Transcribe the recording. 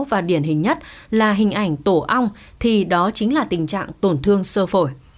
và điển hình nhất là hình ảnh tổ ong thì đó chính là tình trạng tổn thương sơ phổi